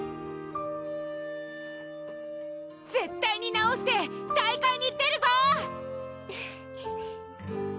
絶対になおして大会に出るぞ！